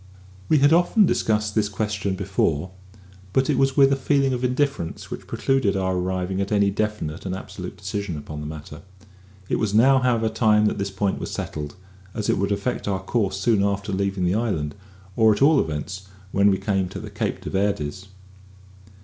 We had often discussed this question before; but it was with a feeling of indifference which precluded our arriving at any definite and absolute decision upon the matter. It was now, however, time that this point was settled, as it would affect our course soon after leaving the island, or, at all events, when we came to the Cape de Verdes.